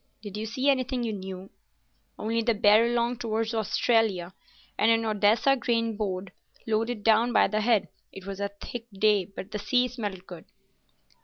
"Did you see anything you knew?" "Only the Barralong outwards to Australia, and an Odessa grain boat loaded down by the head. It was a thick day, but the sea smelt good."